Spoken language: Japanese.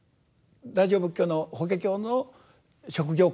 大乗仏教の法華経の職業観